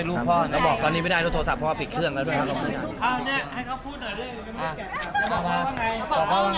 ลึกมันก็มีการสูญเสียเหมือนกัน